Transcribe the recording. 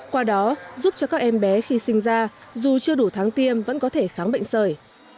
qua đó giúp cho các em bé khi sinh ra dù chưa đủ tháng tiêm vẫn có thể kháng bệnh sởi